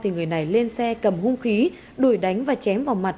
người này lên xe cầm hung khí đuổi đánh và chém vào mặt